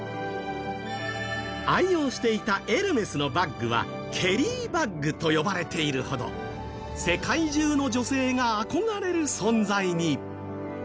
愛用していたエルメスのバッグはケリーバッグと呼ばれているほど世界中の女性が憧れる存在に。